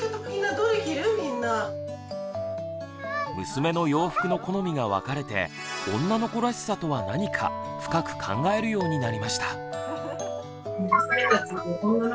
娘の洋服の好みが分かれて「女の子らしさ」とは何か深く考えるようになりました。